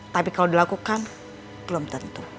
tapi kalau dilakukan belum tentu